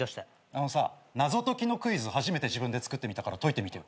あのさ謎解きのクイズ初めて自分で作ってみたから解いてみてよ。